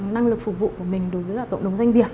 năng lực phục vụ của mình đối với tổng đồng doanh việc